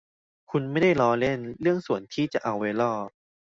คุณไม่ได้ล้อเล่นเรื่องส่วนที่จะเอาไว้ล่อ